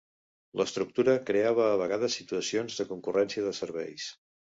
L'estructura creava a vegades situacions de concurrència de serveis.